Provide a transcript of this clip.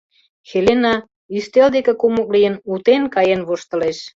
— Хелена, ӱстел деке кумык лийын, утен каен воштылеш.